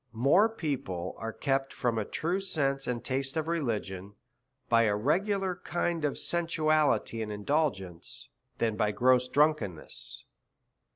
More people are kept from a true sense and state of religion by a regular kind of sensuality and indulg ence, than by gross drunkenness.